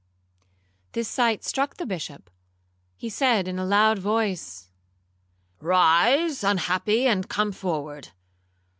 This sight struck the Bishop: He said, in a loud voice, 'Rise, unhappy, and come forward.'